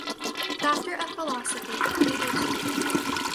Doctor of Philosophy (PhD)